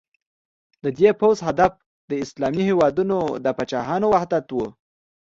د دې پوځ هدف د اسلامي هېوادونو د پاچاهانو وحدت و.